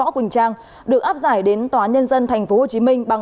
xin chào các bạn